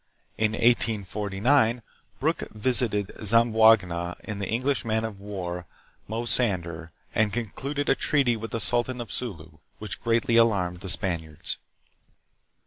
In 1849, Brooke visited Zamboanga in the English man of war "Mosander/ and concluded a treaty with the sultan of Sulu, which greatly alarmed the Spaniards.